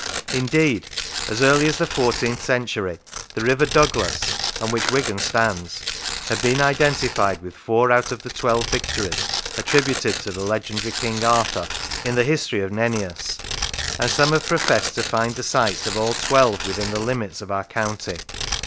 Indeed, as early as the fourteenth century, the River Douglas, on which Wigan stands, had been identified with four out of the twelve victories attributed to the legendary King Arthur in the history of Nennius, and some have professed to find the sites of all twelve within the limits of our county.